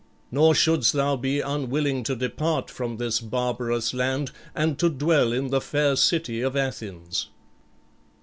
Nor shouldst thou be unwilling to depart from this barbarous land and to dwell in the fair city of Athens."